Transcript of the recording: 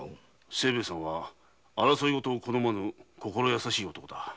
清兵衛さんは争いごとを好まぬ心優しい男だ。